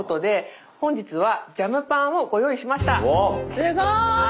すごい！